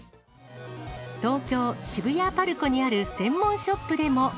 東京・渋谷ＰＡＲＣＯにある専門ショップでも。